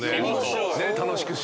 楽しくして。